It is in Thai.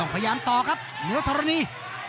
พยายามต่อครับเหนือธรณี